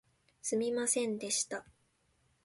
すみませんでした